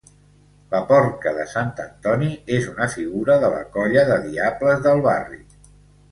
La Porca de Sant Antoni és una figura de la colla de diables del barri.